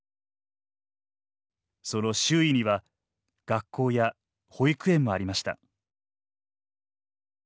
その周囲には学校や保育園もありました。